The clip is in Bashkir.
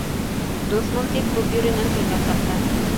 Дуҫмын тип, күп йөрөнөң көлгән саҡта